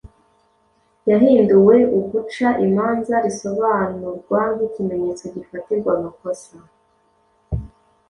yahinduwe "uguca imanza" risobanurwa nk’ "icyemezo gifatirwa amakosa